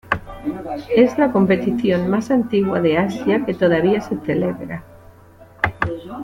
Es la competición más antigua de Asia que todavía se celebra.